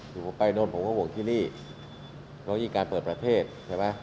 คือผมไปโน่นผมก็ห่วงที่นี่เพราะยิ่งการเปิดประเทศใช่ไหม